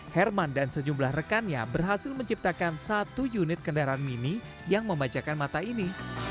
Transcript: herman dan sejumlah rekannya berhasil menciptakan satu unit kendaraan mini yang membacakan mata ini